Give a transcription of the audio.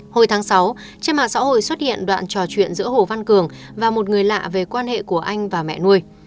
hồi tháng sáu trên mạng xã hội xuất hiện đoạn trò chuyện giữa hồ văn cường và một người lạ về quan hệ của anh và mẹ nuôi